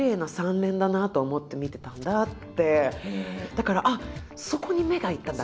だからあっそこに目がいったんだ。